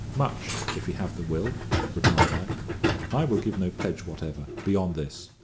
"Much, if he have the will," replied I. "I will give no pledge whatever, beyond this.